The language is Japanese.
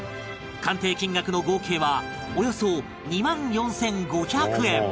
鑑定金額の合計はおよそ２万４５００円